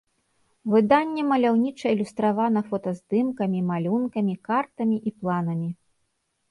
Выданне маляўніча ілюстравана фотаздымкамі, малюнкамі, картамі і планамі.